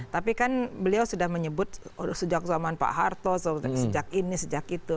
tapi kan beliau sudah menyebut sejak zaman pak harto sejak ini sejak itu